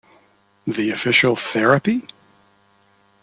The official Therapy?